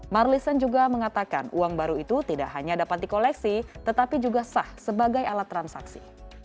marlison juga mengatakan uang baru itu tidak hanya dapat dikoleksi tetapi juga sah sebagai alat transaksi